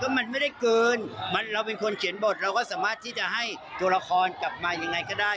มันไม่ได้เกินเราเป็นคนเขียนบทเราก็สามารถที่จะให้ตัวละครกลับมายังไงก็ได้